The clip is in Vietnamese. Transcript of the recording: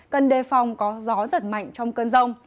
cần đề phòng có gió giật mạnh trong cơn rông